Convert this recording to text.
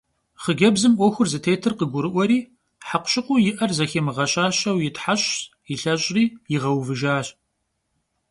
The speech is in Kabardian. Xhıcebzım 'Uexur zıtêtır khıgurı'ueri hekhuşıkhuu yi'er zeximığeşaşeu yitheş'ş, yilheş'ri yiğeuvıjjaş.